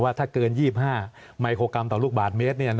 ว่าถ้าเกิน๒๕ไมโครกรัมต่อลูกบาทเมตร